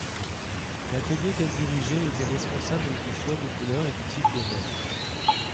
L'atelier qu'elle dirigeait était responsable du choix des couleurs et du type de verre.